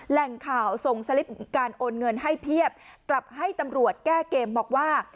แหล่งข่าวส่งสลิปการโอนเงินให้เพียบกลับให้ตำรวจแก้เกมบอกว่า